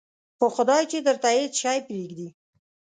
په خدای چې درته هېڅ شی پرېږدي.